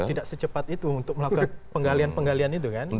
tidak secepat itu untuk melakukan penggalian penggalian itu kan